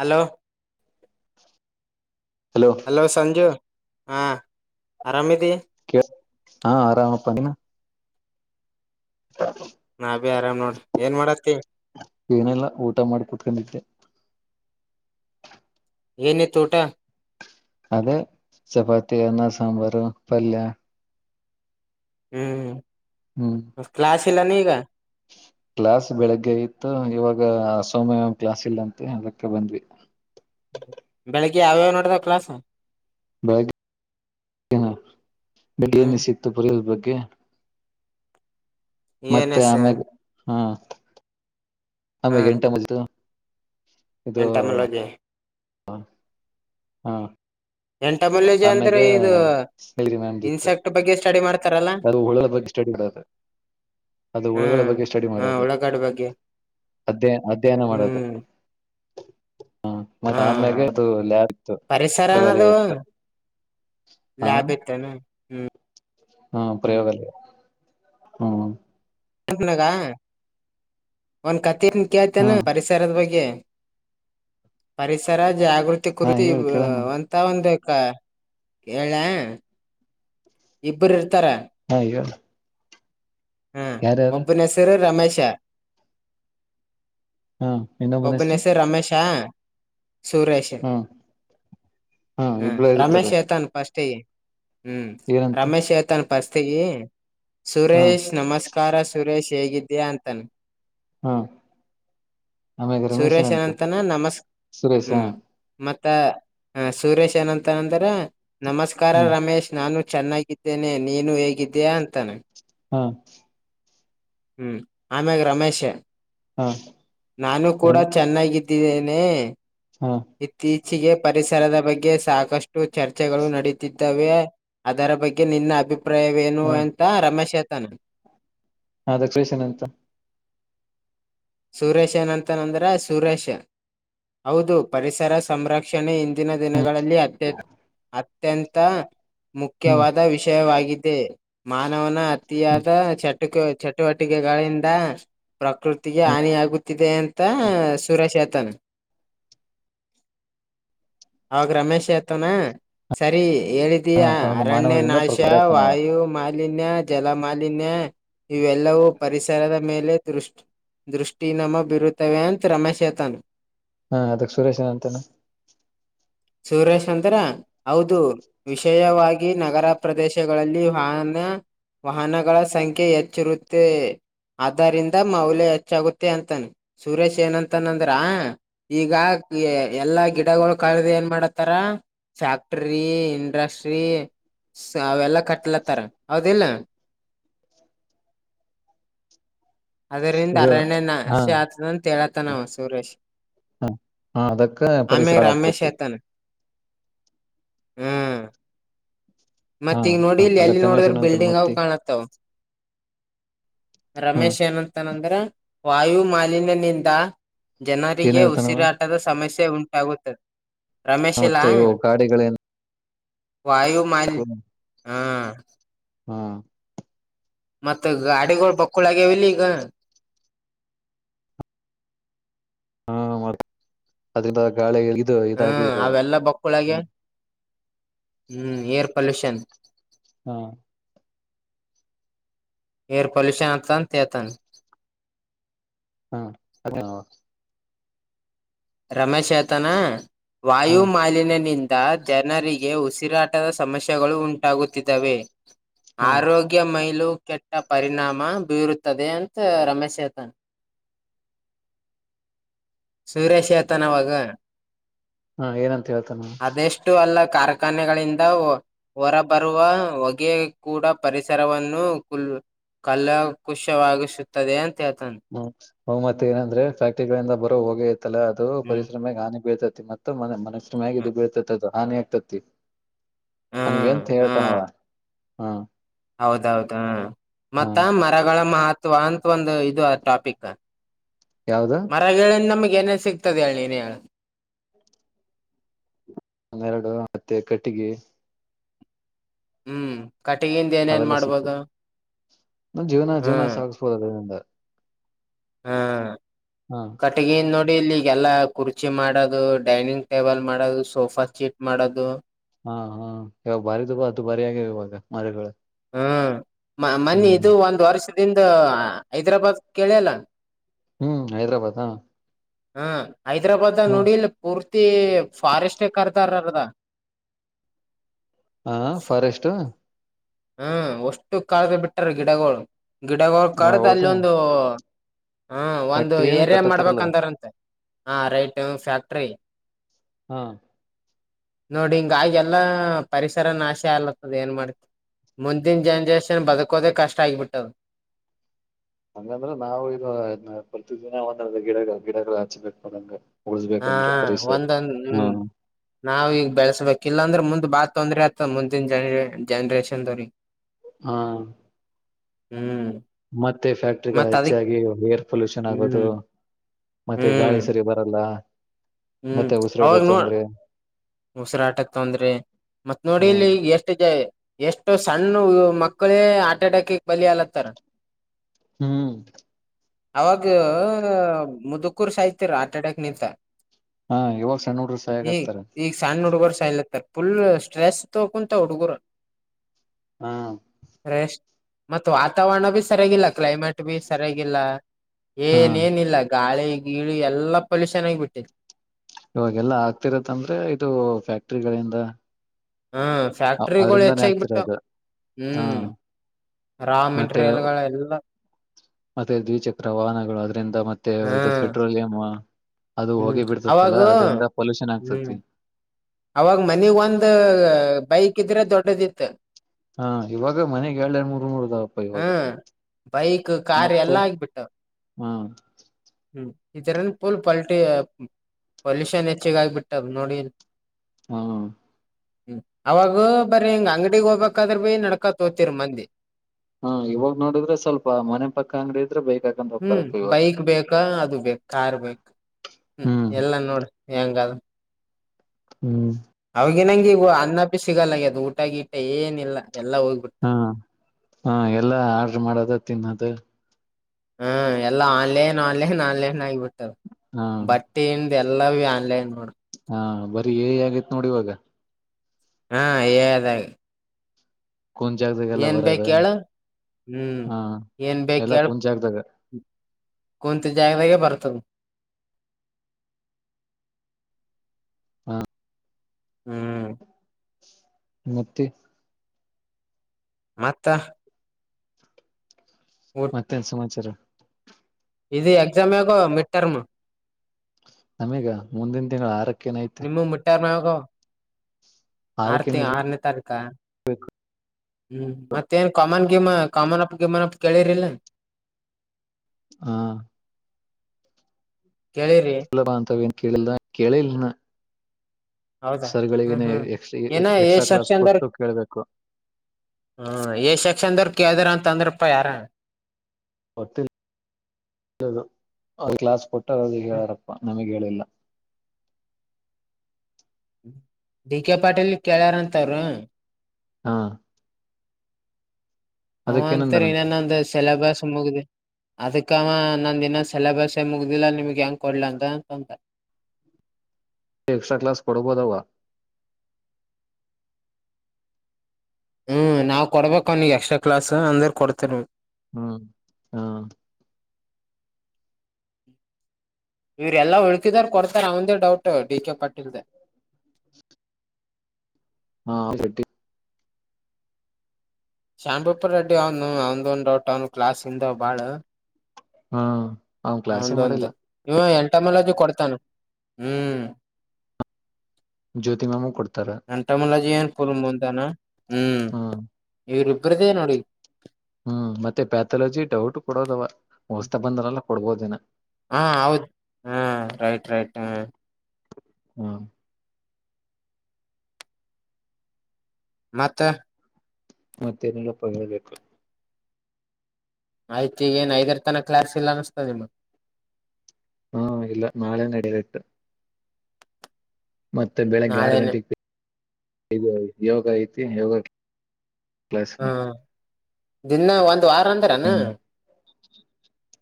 Hello [inaudible] hello Sanju ಹಾ ಆರಾಮೀದಿ ಕ ಹಾ ಆರಾಮಪ್ಪ ನೀನು ಹ [inaudible] ನಾ ಬಿ ಆರಾಮ್ ನೋಡ್ರಿ ಏನ್ ಮಾಡತ್ತಿ ಏನಲ್ಲ ಊಟ ಮಾಡಿ ಕುತ್ಕೊಂಡಿದೇ ಏನಿದು ಊಟ ಅದೇ ಚಪಾತಿ ಅನ್ನ ಸಾಂಬಾರು ಪಲ್ಯ ಹ್ಮ್ ಕ್ಲಾಸ್ ಲ್ಲ ನೀಗಾ ಕ್ಲಾಸ್ ಬೆಳಗ್ಗೆ ಇತ್ತು ಇವಾಗ ಸೋಮ್ಯ ಕ್ಲಾಸ್ ಇಲ್ಲಂತೆ ಅದಕ್ಕೆ ಬಂದ್ವಿ ಬೆಳಿಗ್ಗೆ ಯಾವ್ಯಾವ ನೋಡದ ಕ್ಲಾಸ್ ಬೆಳಗ್ ಬೆಗೆ ಹ್ಮ್ ನಿಸಿತ್ತು ಪುರಿಲ್ ಬಗ್ [unintelligible] ಏನ್ ಮತ್ತೆ ಎಸ್ ಆಮ್ಯಾಗ ಹಾ ಆಮೇ [unintelligible] ಎಂಟಮ್ಮಲಗೆ ಹಾ ಹಾ ಎಂಟಮಾಲಜಿ ಅಂದ್ರೆ ಇದು ಸ್ನೇರಿ ಮ್ಯಾಮ್ದಿತ್ತು ಇನ್ಸೆಕ್ಟ್ ಬಗ್ಗೆ ಸ್ಟಡಿ ಮಾಡ್ತ ಅದು ಹುಳ ಬಗ್ಗೆ ಸ್ಟಡಿ ಇದು ಅದು ಹುಳುಗಳ ಹ್ಮ್ ಬಗ್ಗೆ ಸ್ಟಡಿ ಹ ಮಾಡೋದು ಉಳ್ಳಾಗಡ್ಡಿ ಬಗ್ಗೆ ಅಧ್ಯ ಅಧ್ಯಯನ ಮಾಡೋದು ಹ್ಮ್ ಹಾ ಹ ಮತ್ತೆ ಆಮ್ಯಾಗ ಅದು ಲಯಾರ ಇತ್ತು ಪರಿಸರ ಅನ್ನೋದು ಪ್ರಗಾಲಯ ಇತ್ತು ಹಾ ಲ್ಯಾಬ್ ಇತ್ತೇನ ಹ್ಮ್ ಹಾ ಪ್ರಯೋಗಾಲಯ ಹ್ಮ್ ಹ್ಮ ನಾಗ ಒಂದ ಕತ್ [unintelligible] ಹಾ ಕೇಳ್ತೇನ ಪರಿಸರದ ಬಗ್ಗೆ ಪರಿಸರ ಜಾಗೃತಿ ಹಾ ಕುತ ಹೇಳಿ ಕೇಳೋಣ ಅಂತ ಒಂದು [unintelligible] ಹೇಳೇಳ ಇಬರು ಹಾ ಈಲ್ಲ [unintelligible] ಹ್ಮ್ ಒಬ್ಬನಸರು ರಮೇಶ್ ೆ [unintelligible] ಹಾ ಇನ್ನೊಬ್ಬನ ಒಬ್ಬನ ಹೆಸರು ಹೆಸ ರಮೇಶಾ ಸುರೇಶ್ ಹಾ ಹಾ ಹ ಇಬ್ಳ ಇರ್ತಾರೆ ರಮೇಶ್ ತಾನ್ ಫಸ್ಟ್ ಸ [unintelligible] ಹ್ಮ್ ಏನಂತ ರಮೇಶ್ ೇತನ್ ಬಸ್ತೆಗೆ ಹಾ ಸುರೇಶ್ ನಮಸ್ಕಾರ ಸುರೇಶ್ ಹೇಗಿದ್ದೀಯಾ ಅಂತಾನ ಹಾ ಆಮ್ಯಾಗ ರಮೇಶನ್ ಸುರೇಶ್ ಅಂತ ಅನಂತನ ನಮಸ್ ಸುರೇಶ್ ಹಾ ಹ್ಮ್ ಮ ಮತ್ತ ಸುರೇಶ್ ಏನಂತ ಅಂದ್ರ ನಮಸ್ಕಾರ ಹ್ಮ್ ರಮೇಶ್ ನಾನು ಚೆನ್ನಾಗಿದ್ದೇನೆ ನೀನು ಹೇಗಿದ್ದೀಯಾ ಅಂತಾನೆ ಹಾ ಹ್ಮ್ ಆಮಗೆ ರಮೇಶ ಹಾ ನಾನು ಕೂಡ ರಮ ಚೆನ್ನಾಗಿ ಿದ್ದೇನೆ ಹಾ ಇ [unintelligible] ಮಚ್ಚಿಗೆ ಪರಿಸರದ ಬಗ್ಗೆ ಸಾಕಷ್ಟು ಚರ್ಚೆಗಳು ನಡುತ್ತಿದ್ದವೆ ಅದರ ಬಗ್ಗೆ ನಿನ್ನ ಅಭಿ ಅಭಿಪ್ರಾಯವೇನು ಹಾ ಅಂತ ರಮೇಶ್ ಧನ್ [unintelligible] ಹೌದ ಕೃಷನ್ಂತ ಸುರೇಶ್ ಏನಂತಂದ್ರ ಸುರೇಶ್ ಹೌದು ಪರಿಸರ ಸಂರಕ್ಷಣೆ ಇಿಂದಿನ ದಿನ ಗಳಲ್ಲಿ ಹತ್ತ ಹ ಎಂತ ಹ್ಮ್ ಮುಖ್ಯವಾದ ವಿಷಯವಾಗಿದೆ ಮಾನವನ ಹ್ಮ್ ಯದ ಚ ಚಟುವಟಿಕೆಗಳಿಂದ ಪ್ರಕೃತಿ ತಿಗೆ ಹ್ಮ್ ಹಾನಿ ಆಗುತ್ತಿದೆ ಅಂತ ಸುರೇಶ್ ಹೇಳ್ತಾನ ಅವಾಗ ರಮೇಶ್ ಹೇಳ್ತಾನ ಸರಿ ಹೇಳ್ತೀಯ ಹ ಅರಣ್ಯ ಮಾನವದಿಂದ ನಾಶ ಪ್ರಕತಾನವ ವಾಯು ಮಾಲಿನ್ಯ ಜಲ ಮಾಲಿನ್ಯ ಇವೆಲ್ಲವೂ ಪರಿಸರದ ಮೇಲೆ ದೃಷ್ಟಿನಮ ಬಿರುತ್ತವೆ ಅಂತ್ ರಮಶೇ ಹೇಳ್ತಾನ ಹಾ ಅದಕ್ ಸುರೇಶ್ ಏನ ಅಂತಾನ ಸುರೇಶ್ ಅಂದ್ರ ಹೌದು ವಿಷಯವಾಗಿ ನಗರ ಪ್ರದೇಶಗಳಲ್ಲಿ ವಾಹನ ವಾಹನಗಳ ಸಂಖ್ಯೆ ಹೆಚ್ಚಿರುತ್ತೆ ಆದರಿಂದ ಮೌಲ್ಯ ಹೆಚ್ಚಾಗುತ್ತೆ ಅಂತಾನ ಸುರೇಶ್ ಏನಂತನಂದ್ರ ಈಗ ಎಲ್ಲಾ ಗಿಡಗಳು ಕಡದು ಏನ್ ಮಾಡತಾರ ಫ್ಯಾಕ್ಟರಿ ಇಂಡಸ್ಟ್ರಿ ಅವೆಲ್ಲಾ ಕಟ್ಲತ್ತಾರ ಹೌದಿಲ್ಲ ಅದರಿಂದ ಇದು ಅರಣ್ಯ ಹಾ ನಾಶ ಆತುದಂತ ಹೇಳತಾನ ಅವ ಸುರೇಶ್ ಹ ಹಾ ಅದಕ್ಕ ಪರಿಸರ ಆಮೇಗ ರಮೇಶ್ ಹಾಳಾಗ್ತತಿ ಹೇಳ್ತಾನ ಹೂ ಹಾ ಮತ್ತ ಈಗ ನೋಡಿ ಹ ಇಲ್ಲಿ ಎಲ್ಲಿ ಅದಕ್ ನೋಡದ್ರ ರಮೇಶನ್ ಅಂತಾನ ಬಿಲ್ಡಿಂಗ್ ಅವು ಮತ್ತಿ ಕಾಣತ್ತಾವ ಹ್ಮ ರಮೇಶ್ ಏನಂತನಂದ್ರ ವಾಯು ಮಾಲಿನ್ಯದಿಂದ ಏನ್ ಜನರಿಗೆ ಹೇಳ್ತಾನವ ಉಸಿರಾಟದ ಸಮಸ್ಯೆ ಉಂಟಾಗುತ್ತದೆ ರಮೇಶ್ ಇಲ್ಲಾ ಮತ್ತೆ ಇವು ಗಾಡಿಗಳೇನು ವಾಯು ಮಾಲಿನ್ಯ ಹಾ [unintelligible] ಹೂ ಮತ್ತೆ ಗಾಡಿಗಳು ಬಕ್ಕುಳಾಗಿ ಆಗ್ಯಾವ ಅಲ್ಲ ಈಗ ಹಾ ಮತ್ತ ಅದರಿಂದ ಗಾಳಿ [unintelligible] ಹ್ಮ ಇದು ಅವೆಲ್ಲ ಬುಕ್ಕುಳಾಗಿ ಹ್ಮ್ ಏರ್ ಪಲ್ಯೂಷನ್ ಹಾ ಏರ್ ಪೊಲ್ಯೂಷನ್ ಆಯ್ತುದ್ ಅಂತ ಹೇಳ್ತಾನ ಹಾ ಅದೇ ರಮೇಶ ಹೇಳ್ತಾನ ವಾಯು ಹಾ ಮಾಲಿನ್ಯ ನಿಂತ ಜನರಿಗೆ ಉಸಿರಾಟದ ಸಮಸ್ಯೆಗಳು ಉಂಟಾಗುತ್ತಿಧಾವೆ ಆರೋಗ್ಯಮಯ ಕೆಟ್ಟ ಪರಿಣಾಮ ಬೀರುತ್ತದೆ ಅಂತ ರಮೇಶ್ ಹೇಳ್ತಾನ ಸುರೇಶ್ ಚೇತನವಾಗ ಹಾ ಏನಂತ ಹೇಳ್ತ ನಾ ಅದೆಷ್ಟು ಅಲ್ಲ ಕಾರ್ಖಾನೆಗಳಿಂದ ಹೊರಬರುವ ಹೊಗೆಯ ಕೂಡ ಪರಿಸರವನ್ನು ಕುಲ್ ಕಲ್ಲ ಕುುಶವಾಗ [inaudible] ಹ್ಮ್ ಹ್ ಮತ್ತೆ ಏನಂದ್ರೆ ಫ್ಯಾಕ್ಟ್ರಿಗಳಿಂದ ಬರೋ ಹೋಗೇ ಇಐತ್ತಲ್ಲ ಅದು ಹ್ಮ್ ಪರಿಸಶ್ರಮೆಗೆ ಹಾನಿ ಬೀಳ್ತದೆ ಮತ್ತ ಮ ಎಷ್ಟ ಮ್ಯಗ ಇ ಬೀತದದು ಹಾನ ಆಗ್ತತಿ ಹ್ಮ್ ಹಂಗೆಂತ ಹೇಳ್ತಾನವ ಹಾ ಹೌದೌದ ಮತ ಮರಗಳ ಮಾಹತ್ ಅವಾ ಅಂತ ಒಂದು ಇದು ಟಾಪಿಕ್ ಯಾವ್ದ ಮರನ್ನ ನಮಗೆ ನ ಸಿಕ್ತ ದಳ ನ ಹನ್ನೆರಡು ಮತ್ತೆ ಕಟ್ಟಿಗೆಿ ಹ್ಮ್ ಕಟಗಿಯಿಂದ ಏನೇನ್ ಅವೆಲ್ಲ ಸಿಕ್ತು ಮಾಡ್ಬೋದು ನಮ ಜೀವನ ಜೀವನ ಹ್ಮ್ ಸಾಗಿಸ್ಬೋದು ಅದರಿಿಂದ ಹ್ಮ್ ಹಾ ಕಟ್ಟಗಿ ನೋಡಿ ಇಲ್ಲಿ ಎಲ್ಲ ಕುರ್ಚಿ ಮಾಡೋದು ಡೈನಿಂಗ್ ಟೇಬಲ್ ಮಾಡೋದು ಸೋಫಾ ಸೀಟ್ ಮಾಡೋದು ಹಾ ಹಾ ಇವಾಗ ಬಾರಿಿದು ಅದು ಭಾರಿ ಆಗ್ಯ ಇವಾಗ ಮರಗಳ ಹ್ಮ್ ಮನ್ನೆ ಇದು ಒಂದ್ ವರ್ಷದಿಂದ ಹೈದ್ರಾಬಾದ್ ಕೇಳಲ್ಲ ಹ್ಮ್ ಹೈದ್ರಾಬಾದ ಹ ಹ್ಮ ಹೈದ್ರಾಬಾದ್ ನುಡಿಲ್ ಪೂರ್ ತ್ತ ಫಾರೆಸ್ಟ್ ಕತಾರದ ಹಾ ಫಾರೆಸ್ಟ್ ಹ್ಮ ಒಷ್ಟು ಕಾಳ್ದ ಬಿಟ್ಟಾರ ಗಿಡಗಳು ಗಿಡ ಕಡ ಹೌದಾ ಅಲ್ಲಿೊಂದು ಹಾ ಒಂದು ಫ್ಯಾಕ್ಟ್ರಿ ಏನ್ ಏರಿಯ ಕಟ್ಟತಾರಲ್ಲ ಮಾಡ್ಬೇಕಂತಾರಂತೆ ಹಾ ರೈಟ್ ಫ್ಯಾಕ್ಟ್ರರಿ ಹಾ ನೋಡಿ ಹಿಂಗ ಆ ಎಲ್ಲಾ ಪರಿಸರ ನಾಶ ಆಗ್ಲತ್ತದ ಏನ್ ಮಾಡ್ತಿ ಮುಂದಿನ ಜನರೇಷನ್ ಬದುಕೋದೆೇ ಕಷ್ಟ ಆಗಿಬಟ್ಟು ಹಂಗಂದ್ರ ನಾವು ಇದು ಪ್ರತಿದಿನ ಒಂದ ಗಿಡ ಗಿಡಗಳು ಹಚ್ಚಿಬಟ್ಕೊಂಡಂಗ ಹಾ ಒಂದೊಂದ್ ಹ್ಮ್ ನಾವೀಗ ಬೆಳಸಬೇಕಿಲ್ಲ ಅಂದ್ರೆ ಮುಂದ ಬಾತ್ ತೊಂದ್ರರೆ ಆತ ಮುಂದಿನ ಜನರ ಜನ್ರೇಷನ್ದವ್ರ ಹಾ ಹ್ಮ್ ಮತ್ತೆ ಫ್ಯಾಕ್ಟ್ರಿಗಳು ಮತ್ ಅದಕ್ ಹೆಚ್ಚಾಗಿ ಏರ್ ಪೊಲ್ಯೂಷನ್ ಆಗೋದು ಹ್ಮ್ ಮತ್ತೆ ಗಾಳಿ ಹ್ಮ್ ಸರಿ ಬರಲ್ಲ ಹ್ಮ್ ಮತ್ತೆ ಉಸಿರಾಡ ಅವಾಗ ನೋ ತೊಂದ್ರೆ ಉಸಿರಾಟಕ್ ತೊಂದ್ರೆ ಮತ್ತ್ ನೋಡಿ ಹ್ಮ್ ಇಲ್ಲಿ ಎಷ್ಟು ಜ ಎಷ್ಟ ಸಣ್ಣ ಮಕ್ಕಳೇ ಆಾರಟ್ ಅಟ್ಯಾಕ್ ಬಲಿ ಅಲತ್ತಾರ ಹ್ಮ್ ಅವಾಗ ಮುದುಕೂರ್ ಸಾಯ್ತಿರ ಹಾರ್ಟ್ ಅಟ್ಯಾಕ್ ನಿಂತ ಹಾ ಇವಾಗ ಸಣ್ಣ ಹುಡ್ರು ಈಗ ಸಾಯಗತ್ತಾರೆ ಈಗ ಸಣ್ಣ ಹುಡುಗುವರ್ ಸ ಇಲತ್ತರ್ ುಲ್ ಸ್ಟ್ರೆಸ್ ತ ಕುಂತ ಹುಡುಗುರು ಹಾ ಮತ್ತ ವಾತಾವರಣ ಬಿೀ ಸರಿಯಾಗಿಲ್ಲದೆ ಕ್ಲೈಮೆಟ್ ಬಿ ಸರಿಯಾಗಿಲ್ಲ ಹಾ ಏನ ಏನ ಇಿಲ್ಲ ಗಾಳಿ ಗೀಳಿ ಎಲ್ಲಾ ಪೊಲ್ಯೂಷನ್ ಆಗಿ ಬಿಟ್ಟರಿ ಇವಾಗೆಲ್ಲಾ ಆಗ್ತಿರತ್ತ ಅಂದ್ರೆ ಇದು ಫ್ಯಾಕ್ಟ್ರಿಗಳಿಂದ ಹ ಫ್ಯಾಕ್ಟ್ರಿಗಳು ಅದ್ರಿಂದಾನೇ ಹೆಚ್ಚಾಗಿಬಿಟ್ಟು ಆಗ್ತಿರೋದು ಹಾ ಹ್ಮ್ ರಾ ಮತ್ತೆ ಮೆಟೀರಿಯಲ್ಗಳ ಎಲ್ಲ ಮತ್ತೆ ದ್ವಿಚಕ್ರ ವಾಹನಗಳು ಆದ್ರೆ ್ರ ಮತ್ತೆ ಇದು ಹ್ಮ್ ಪೆಟ್ರೋಲಿಯಂ ಅದು ಹ್ಮ್ ಹೋಗಿ ಅವಾಗ ಬಿಡ್ತತ್ತಲ್ಲ ಅದ್ರಂದ ಪೊಲ್ಯೂಷನ್ ಆಗ್ತತಿ ಅವಾಗ್ ಮನಗ್ ಒಂದ ಬೈಕ್ ಇದ್ರೆ ದೊಡ್ಡ ಪ್ರದಿತ್ ಹಾ ಇವಾಗ ಮನೆಗೆ ಎಳ್ ಎರಡು ಮೂರ್ ನೂರುದಾವಪ್ಪ ಇವಾಗ ಹ್ಮ್ ಬೈಕ್ ಕಾರ್ ಮತ್ತೆ ಎಲ್ಲಾ ಆಗ್ಬಿಟ್ಟ ಹಾ ಹ್ಮ್ ಇದರನ್ ಪೂಲ್ ಪಲ್ಟಿ ಪೊಲ್ಯೂಷನ್ ಹೆಚ್ಚಗ ಆಗ್ಬಿಟ್ಟದ ನೋಡಿ ಹಾ ಹ್ಮ್ ಅವಾಗ ಬರಿ ಹಿಂಗ ಅಂಗಡಿಗ್ ಹೋಗ್ಬೇಕಾದ್ರ ಭೀ ನಡ್ಕಾತ್ ಹೋತಿರಿ ಮಂದಿ ಹಾ ಇವಾಗ್ ನೋಡಿದ್ರೆ ಸ್ವಲ್ಪ ಮನೆ ಪಕ್ಕ ಅಂಗಡಿ ಇದ್ರೆ ಬೈಕ್ ಹಾಕೊಂಡ್ ಹ್ಮ್ ಹೋಗ್ತಾರಪ್ಪ ಇವಾಗ ಬೈಕ್ ಬೇಕಾ ಅದು ಬೇಕ ಕಾರ್ ಬೇಕು ಹ್ಮ ಹ್ಮ್ ಎಲ್ಲಾ ನೋಡ ಹೆಂಗ ಹ್ಮ್ ಹಗಿನಂಗಗೆ ಇಗ ಅನ್ನಪಿ ಸಿಗಲ್ಲಗೆ ಅದು ಊಟಗ ಇಟ್ಟ ಏನಿಲ್ಲಾ ಹ್ಮ ಹಾ ಎಲ್ಲಾ ಆರ್ಡ್ರ ಮಾಡೋದ ತಿನ್ನದು [unintelligible] ಹ್ಮ ಎಲ್ಲಾ ಆನ್ಲೈನ್ ಆನ್ಲೈನ್ ಆನ್ಲೈನ್ ಆಗಿಬಿಟ್ ಹಾ ಬಟ್ಟಿ ಎಲ್ಲಾ ಬಿ ಆನ್ಲೈನ್ ಹಾ ಬರಿ ಏ ಆಗೈತ್ ನೋಡ ಇವಾಗ ಹಾ ಎ ಐ ದಾಗ ಕುಂಚಜಾದಾಗೆಲ್ಲ ಬರದ ಹೇಳ ಹ್ಮ್ ಹಾ ಏನ್ ಬೇಕ ಎಲ್ಲಾ ಹೇಳ ಕುಂಚಜಾದಾಗ ಕುಂತ ಜಾಗದಗೆ ಬರ್ತದ ಹಾ ಹ್ಮ್ ಮತ್ತೆ ಮತ್ತ ಮತ್ತೆನ್ ಸಮಾಚಾರಾ ಇದು ಎಕ್ಸಾಮ ಯಾವಾಗೋ ಮಿಡ್ ಟರ್ಮ ನಮಗ ಮುಂದಿನ ತಿಂಗಳ ಆರಕ್ಕ ನಿಮ್ಮಗ ಮೀಟ್ಟರ್ಮ ಯಾವಾಗ ಹೊ ಆರುತಿ ಆರಕ್ಕೇನ ಇರ್ ಆರನೇ ತಾರೀಕಾ ಹ್ಮ್ ಮತ್ತೇನ್ ಕಾಮನ್ ಮ ಕಾಮನ ಅಪ್ ಗಿಮನ ಅಪ್ ಕೆೇಳಿರಿಲ್ಲ ಹಾ ಕೇಳಿರಿ ಸುಲಭ ಅಂತವಾ ಕೇಳಲ್ ಕೇಳಿಲ್ಲಿನ ಹೌದಾ ಹ್ಮ್ ಹ್ಮ್ ಎಕ್ಸ್ ಏನ್ ಎಕ್ಸ್ಟ್ರಾ ಕ್ಲಾಸ್ ಸೆಕ್ಷನ್ ಕೊಟ್ಟು ಕೇಳ್ಬೇಕು ಹ ಎ ಸೆಕ್ಷನ್ ಕೇಳ್ದ್ರ ಅಂತ ತಂದರಪ ಯಾರ [unintelligible] ಯಾರಪ್ಪ ನಮಗ್ ಹೇಳಿಲ್ಲ ಡಿ ಕೆ ಪಾಟೀಲ್ ಕೇಳ್ಯಾರಂತ ಅವ್ರು ಹಾ ಅವ ಅದಕ್ಕ ಅಂತ ಏನಂದನಂತ ಇನೇನ ಒಂದು ಸಿಲೆಬಸ್ ಮುಗ್ದ ಅದಕ್ಕ ಅವ ಇನ್ನ ನಂದ ಸಿಲೆಬಸ್ ಮುಗ್ದಿಲ್ಲ ನಿಮಗ್ ಹೆಂಗ ಕೊಡ್ಲ ಅಂತಂತ ಎಕ್ಸ್ಟ್ರಾ ಕ್ಲಾಸ್ ಕೊಡಬೋದವಾ ಹ್ಮ್ ನಾವ್ ಕೊಡ್ಬೇಕ ಅವ ಎಕ್ಸ್ಟ್ರಾ ಕ್ಲಾಸ್ ಅಂದ್ರ ಕೊಡ್ತೇರಿ ಹ್ಮ ಹಾ ಇವ್ರೆಲ್ಲಾ ಉಳುಕಿದಾರ ಕೊಡ್ತಾರ ಅವಂದೇ ಡೌಟ್ ಡಿ ಕೆ ಪಾಟೀಲ್ದ [unintelligible] ಶಾಮಬೂಪ್ಪರ್ ರೆಡ್ಡಿ ಅವನು ಅವಂದು ಒಂದು ಡೌಟ್ ಅವನ್ ಕ್ಲಾಸ್ ಹಿಂದ ಅವ ಬಾಳ ಹಾ ಒಂದ ಒಂದು ನೀವ ಎಂಟ ಮೇಲಜು ಕೊಡ್ತಾನ ಹ್ಮ್ ಜ್ಯೋತಿ ಮ್ಯಾಮು ಕೊಡ್ತಾರ ಅಂಟ ಮುಲ್ಲ ಜಿ ನ್ ಕೊ ಬಂದ ಾನ ಹ್ಮ್ ಇವರು ಬ್ರದೇ ನೋಡಿ ಹ್ಮ್ ಮತ್ತೆ ಪ್ಯಾಥಲಜಿ ಡೌಟ್ ಕೊಡೋದವ ಉಔಸ್ತಾ ಬಂದ್ರಲ್ಲ ಕೊಡ್ಬೋದೇಿನ ಹಾ ಹೌದು ಹಾ ರೈಟ್ ರೈಟ್ ಹ ಹಾ ಮತ್ತೆ ಮತ್ತೆನರ ಪ ಹೇಳಬೇಕು ಆಯ್ತಿ ಈ ಏನ್ ಐದರ ತನ ಕ್ಲಾರ್ಸ್ ಇಲ್ಲ ಅನ್ಸ್ತ ನಿಮ ಹಾ ಇಲ್ಲ ನಾಳೆ ನಡೀಲಿ ಇಟ್ಟು ಮತ್ತೆ ಬೆಳಿಗ್ಗೆ ಆರು ನಾಳೆನೆ ಗಂಟೆೆಗೆ ಇದು ಯೋಗ ಐತಿ ಯೋಗ ಕ್ಲಾಸ್ ಹಾ ದಿನ ಒ ದು ಆರ ಅಂತಾರಾನ ಹ್ಮ್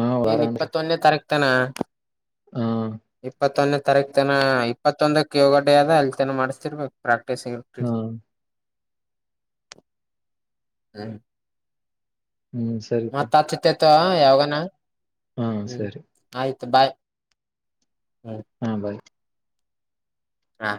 ಹ ವಾರ ಏನ್ ಅಂದ್ರ ಇಪ್ಪತ್ತೊಂದನೇ ತಾರೀಕು ತ್ತನ ಹ ಇಪ್ಪತ್ತನ್ನ ತರಕ್ತನ ಇಪ್ಪತ್ತೊಂದಕ್ಕೆ ಯಗಡ ಆದದ ಅಲ್ಲಿ ತನ ಮಾಡಿಸಸ್ತಿರ್ಬೇಕು ಪ್ರ ೇಸೆಂಗಟಿ [inaudible] ಹಾ ಹ್ಮ ಹ್ಮ್ ಸರಿತ ಯಾವಾಗನಾ ಹಾ ಹ್ಮ್ ಸರಿ ಆಯ್ತು ಬಾಯ್ ಹ್ಮ ಹಾ ಬಾಯ್. ಹಾ